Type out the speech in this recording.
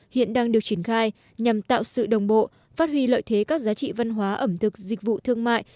hiện đang được triển khai nhằm tạo sự đồng bộ phát huy lợi thế các giá trị văn hóa ẩm thực dịch vụ thương mại